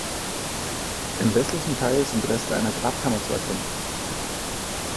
Im westlichen Teil sind Reste einer Grabkammer zu erkennen.